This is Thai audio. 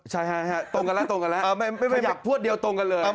ใช่ตรงกันแล้วแต่อย่างผวดเดียวตรงกันเลย